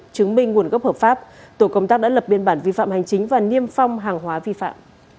chứng minh nguồn gốc hợp pháp tổ công tác đã lập biên bản vi phạm hành chính và niêm phong hàng hóa vi phạm